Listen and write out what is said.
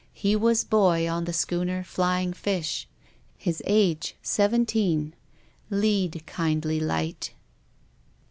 He was boy on the schooner ' Flying Fish.' His age seventeen. ' Lead kindly Light.'